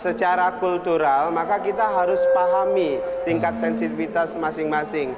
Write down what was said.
secara kultural maka kita harus pahami tingkat sensitivitas masing masing